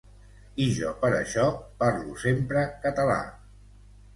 I jo per això parlo sempre català.